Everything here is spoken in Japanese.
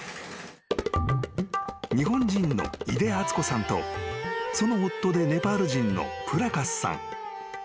［日本人の井出敦子さんとその夫でネパール人のプラカスさん］